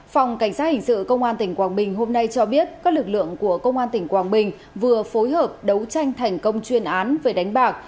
phòng cảnh sát hình sự công an tỉnh quảng bình hôm nay cho biết các lực lượng của công an tỉnh quảng bình vừa phối hợp đấu tranh thành công chuyên án về đánh bạc